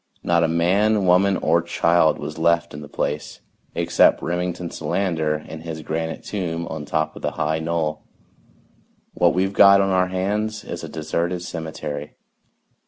Not a man, woman or child was left in the place except Remington Solander in his granite tomb on top of the high knoll. What we've got on our hands is a deserted cemetery.